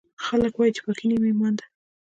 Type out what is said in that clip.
خلکوایي چې پاکۍ نیم ایمان ده